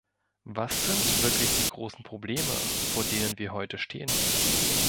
Was sind wirklich die großen Probleme, vor denen wir heute stehen?